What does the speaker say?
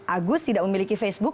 agus tidak memiliki facebook